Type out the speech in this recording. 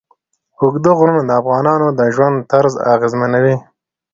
اوږده غرونه د افغانانو د ژوند طرز اغېزمنوي.